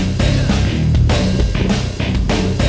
yang bawah juga